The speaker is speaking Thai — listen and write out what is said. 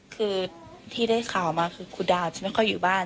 คือที่ได้ข่าวมาคือคุณดาวจะไม่ค่อยอยู่บ้าน